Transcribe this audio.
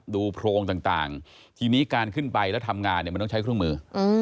โพรงต่างทีนี้การขึ้นไปแล้วทำงานเนี่ยมันต้องใช้เครื่องมือ